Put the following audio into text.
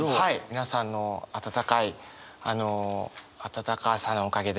皆さんの温かい温かさのおかげで。